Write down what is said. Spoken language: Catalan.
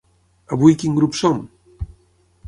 Avui quin grup som?